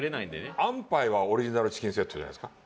安パイはオリジナルチキンセットじゃないですか？